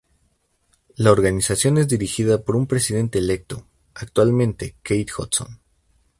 La organización es dirigida por un presidente electo, actualmente Kate Hudson.